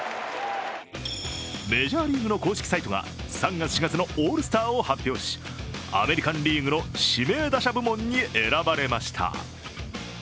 メジャーリーグの公式サイトが３月４月のオールスターを発表しアメリカン・リーグの指名打者部門に選ばれました。